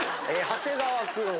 長谷川君。